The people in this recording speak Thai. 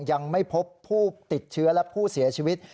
ยังไม่พบผู้ติดเชื้อและผู้เสียชีวิต